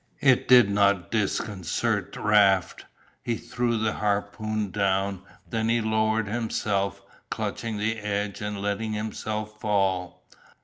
It did not disconcert Raft. He threw the harpoon down, then he lowered himself, clutching the edge and let himself fall.